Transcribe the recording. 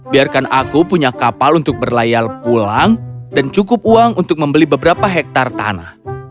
biarkan aku punya kapal untuk berlayar pulang dan cukup uang untuk membeli beberapa hektare tanah